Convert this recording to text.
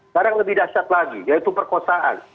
kadang lebih dasar lagi yaitu perkosaan